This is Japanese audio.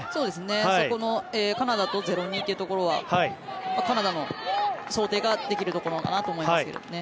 そこのカナダと０−２というところはカナダの想定ができるところかなと思いますけどね。